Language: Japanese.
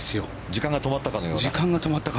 時間が止まったかのような。